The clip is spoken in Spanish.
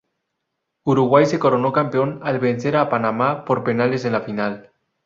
Uruguay se coronó campeón al vencer a Panamá por penales en la final.